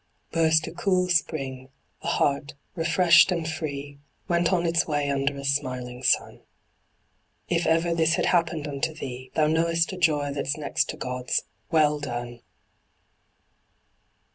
Burst a cool spring; the heart, refreshed and free, Went on its way under a smiling sun. If ever this had happened unto thee, Thou knowest a joy that's next to God's "Well done!